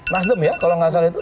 nasdem ya kalau nggak salah itu